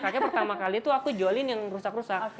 akhirnya pertama kali tuh aku jualin yang rusak rusak